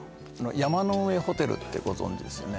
山の上ホテルってご存じですよね